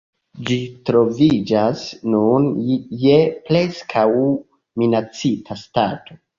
Ĝi troviĝas nune je preskaŭ-minacita stato.